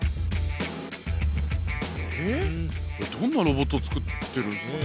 これどんなロボット作ってるんですかね？